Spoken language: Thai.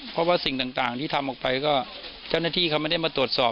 เพราะว่าสิ่งต่างที่ทำออกไปก็เจ้าหน้าที่เขาไม่ได้มาตรวจสอบ